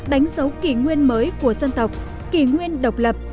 đánh dấu kỷ nguyên mới của dân tộc kỷ nguyên độc lập